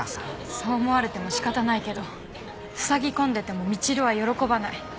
そう思われても仕方ないけど塞ぎ込んでてもみちるは喜ばない。